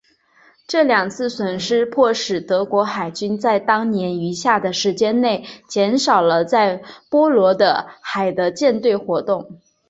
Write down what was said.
这两次损失迫使德国海军在当年余下的时间内减少了在波罗的海的舰队活动。